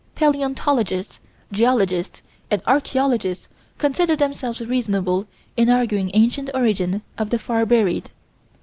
Palaeontologists, geologists, and archaeologists consider themselves reasonable in arguing ancient origin of the far buried.